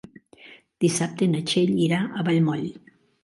Dissabte na Txell irà a Vallmoll.